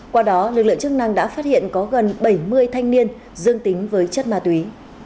qua đó lực lượng chức năng đã phát hiện có gần bảy mươi thanh niên dương tính với chất ma túy